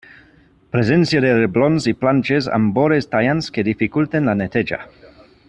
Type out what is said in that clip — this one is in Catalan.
Presència de reblons i planxes amb vores tallants que dificulten la neteja.